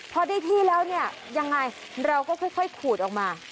พอได้ที่แล้วเนี่ยยังไงเราก็ค่อยขูดออกมา